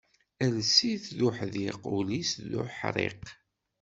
Iles-is d uḥdiq, ul is d uḥriq.